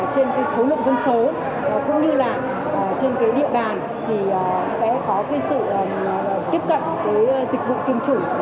trên cái số lượng dân số cũng như là trên cái địa bàn thì sẽ có cái sự tiếp cận cái dịch vụ tiêm chủng